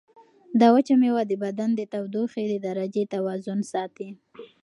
دا وچه مېوه د بدن د تودوخې د درجې توازن ساتي.